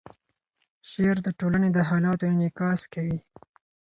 شعر د ټولنې د حالاتو انعکاس کوي.